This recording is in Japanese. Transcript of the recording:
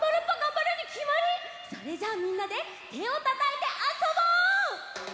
それじゃあみんなでてをたたいてあそぼう！